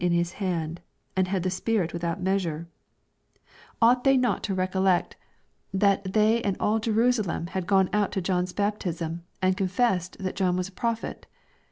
in His hand, and had the Spirit without measure ? Ought the^ LUKE, CHAP. XX. 321 not to recollect that they and all Jerusalem had gone out to John's baptism, and confessed that John was a pro phet